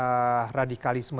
betapa memang radikalisme